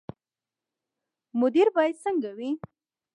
مدیر باید څنګه وي؟